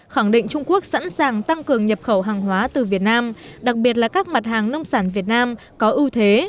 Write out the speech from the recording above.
khẳng định trung quốc sẵn sàng tăng cường nhập khẩu hàng hóa từ việt nam đặc biệt là các mặt hàng nông sản việt nam có ưu thế